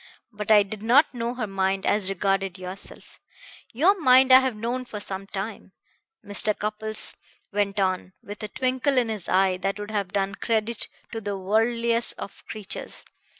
But I did not know her mind as regarded yourself. Your mind I have known for some time," Mr. Cupples went on, with a twinkle in his eye that would have done credit to the worldliest of creatures.